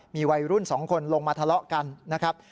มีวัยรุ่น๒คนลงมาทะเลาะกันนะครับ